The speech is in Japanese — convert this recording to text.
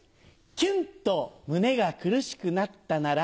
キュンっと胸が苦しくなったなら。